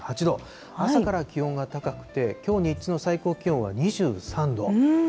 朝から気温は高くて、きょう日中の最高気温は２３度。